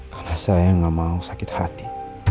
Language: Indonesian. karena saya tidak mau sakit hati